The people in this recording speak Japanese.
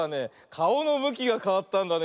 かおのうごきがかわったんだね。